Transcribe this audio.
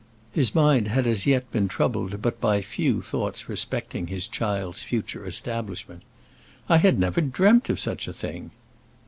His mind had as yet been troubled by but few thoughts respecting his child's future establishment. "I had never dreamt of such a thing."